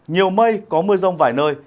nhiều mây có mưa rong vài nơi